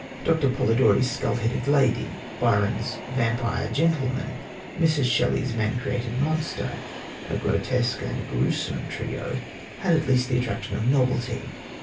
Dr. Polidori's skull headed lady, Byron's vampire gentleman, Mrs. Shelley's man created monster a grotesque and gruesome trio had at least the attraction of novelty.